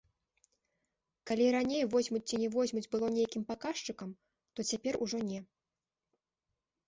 Калі раней, возьмуць ці не возьмуць, было нейкім паказчыкам, то цяпер ужо не.